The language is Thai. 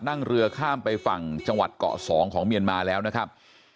นั่งเรือข้ามไปฝั่งจังหวัดเกาะสองของเมียนมาแล้วนะครับ